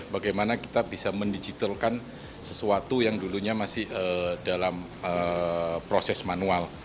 bagaimana kita bisa mendigitalkan sesuatu yang dulunya masih dalam proses manual